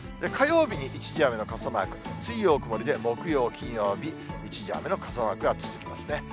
火曜日に一時雨の傘マーク、水曜曇りで、木曜、金曜日、一時雨の傘マークがつきますね。